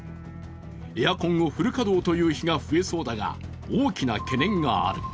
エアコンをフル稼働という日が増えそうだが、大きな懸念がある。